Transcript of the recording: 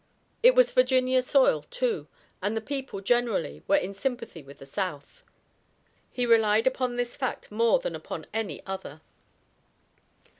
It was Virginia soil, too, and the people, generally, were in sympathy with the South. He relied upon this fact more than upon any other.